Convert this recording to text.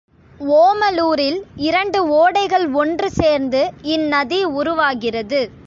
ஓமலூரில் இரண்டு ஓடைகள் ஒன்று சேர்ந்து இந்நதி உருவாகிறது.